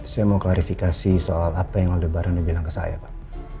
saya mau klarifikasi soal apa yang aldebaran bilang ke saya pak